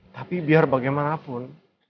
tapi biar bagaimanapun